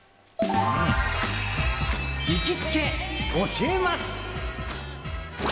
行きつけ教えます！